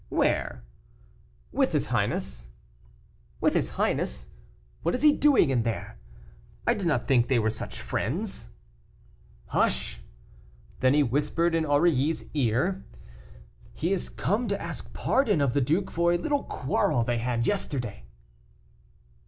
"Where?" "With his highness." "With his highness! What is he doing there? I did not think they were such friends." "Hush!" then he whispered in Aurilly's ear "he is come to ask pardon of the duke for a little quarrel they had yesterday."